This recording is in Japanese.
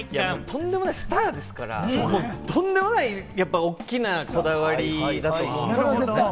とんでもないスターですから、とんでもない大きなこだわりだと思うんですけれども。